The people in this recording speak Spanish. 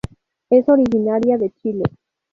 Ess originaria de Chile.